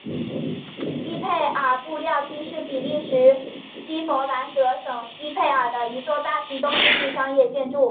伊佩尔布料厅是比利时西佛兰德省伊佩尔的一座大型中世纪商业建筑。